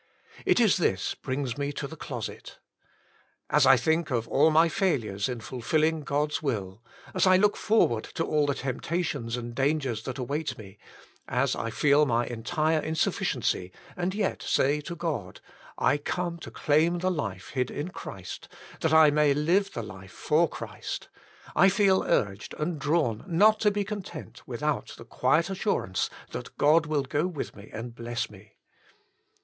It is this brings me to the closet. As I think of aiFmy failures in fulfilling God's will, as I look forward to all the temptations and dangers that await me, as I feel my entire insufficiency and yet say to God— I come to claim the life hid in Christ, that I may live the life for Christ; I feel urged and drawn not to be content without the quiet assurance that God will go with me and bless me.